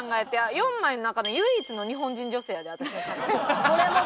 ４枚の中で唯一の日本人女性やで私の写真。